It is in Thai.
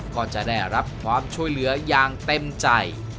ก็จะได้รับความช่วยเหลืออย่างเต็มใจ